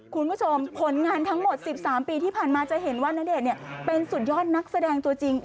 คุณผู้ชมผลงานทั้งหมด๑๓ปีที่ผ่านมาจะเห็นว่าณเดชน์เป็นสุดยอดนักแสดงตัวจริง